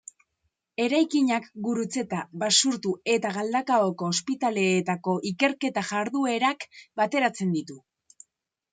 Eraikinak Gurutzeta, Basurtu eta Galdakaoko ospitaleetako ikerketa-jarduerak bateratzen ditu.